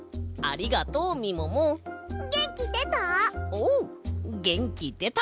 おうげんきでた！